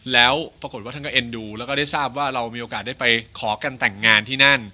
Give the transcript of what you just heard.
แล้วปรากฏว่าท่านก็เอ็นดูแล้วก็ได้ทราบว่าเรามีโอกาสได้ไปขอกันแต่งงานที่นั่น